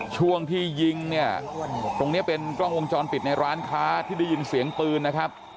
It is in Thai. ช่วงที่ยิงเนี่ยตรงนี้เป็นกล้องวงจรปิดในร้านค้าที่ได้ยินเสียงปืนนะครับ